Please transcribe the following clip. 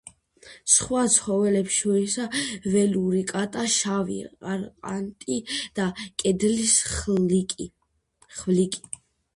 სხვა ცხოველებს შორისაა ველური კატა, შავი ყარყატი და კედლის ხვლიკი.